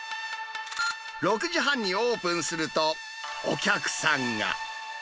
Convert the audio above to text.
６時半にオープンすると、お客さんが。